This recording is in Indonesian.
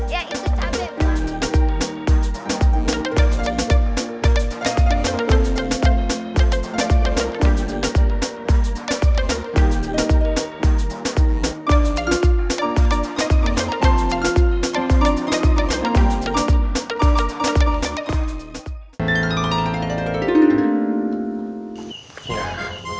ya itu capek pak